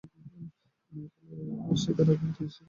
মায়ের ভাষা শেখার আগে ইংরেজি শেখানোর কসরতে শিশুর জীবন যায় যায়।